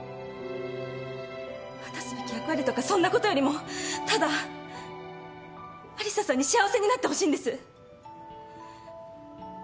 果たすべき役割とかそんなことよりもただ有沙さんに幸せになってほしいんです。